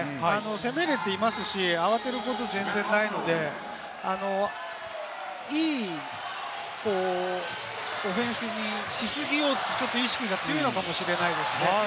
攻めれていますし、慌てることは全然ないので、いいオフェンスにし過ぎようという意識が強いのかもしれないですね。